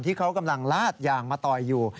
ที่เขากำลังลาดยางมาต่อยอยู่